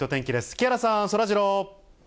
木原さん、そらジロー。